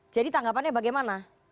jadi tanggapannya bagaimana